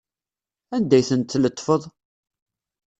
Anda ay tent-tletfeḍ?